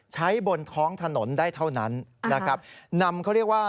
ใช้บนคล้องถนนได้เท่านั้นนะครับ